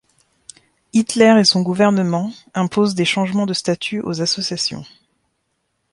Hitler et son gouvernement impose des changements de statuts aux associations.